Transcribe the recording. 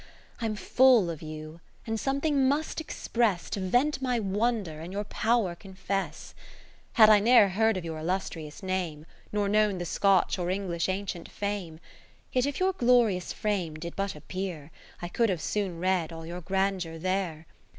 I'm full of you, and something must express, To vent my wonder and your pow'r confess. Had I ne'er heard of your illustrious nam5, Nor known the Scotch or English ancient fame ; 10 Yet if your glorious frame did but appear, I could have soon read all your grandeur there.